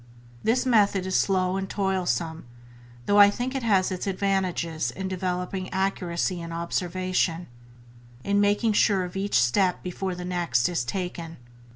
This method is slow and toilsome, though I think it has its advantages in developing accuracy in observation, in making sure of each step before the next is taken.